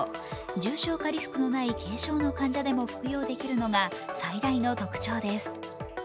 重症化リスクのない軽症の患者でも服用できるのが最大の特徴です。